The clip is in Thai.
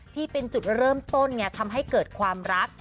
ที่เป็นจุดเริ่มต้นไงทำให้เกิดความรัก